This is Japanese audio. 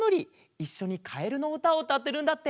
いっしょにかえるのうたをうたってるんだって。